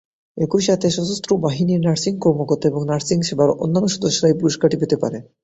একই সাথে সশস্ত্র বাহিনীর নার্সিং কর্মকর্তা এবং নার্সিং সেবার অন্যান্য সদস্যরা এই পুরস্কারটি পেতে পারেন।